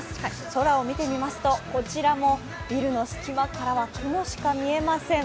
空を見てみますと、こちらのビルの隙間からは、雲しか見えません。